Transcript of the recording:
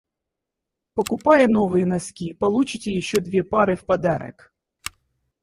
Покупая новые носки, получите ещё две пары в подарок!